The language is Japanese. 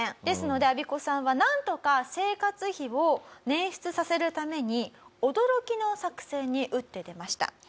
ですのでアビコさんはなんとか生活費を捻出させるために驚きの作戦に打って出ました。